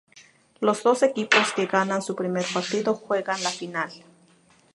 Los dos equipos que ganan su primer partido juegan la final.